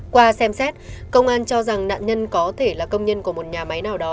qua xem xét công an cho rằng nạn nhân có thể là công nhân của một nhà máy nào đó